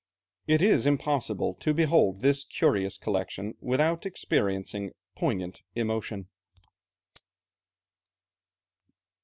It is impossible to behold this curious collection without experiencing poignant emotion.